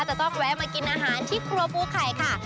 จะต้องแวะมากินอาหารที่ครัวภูไข่ค่ะ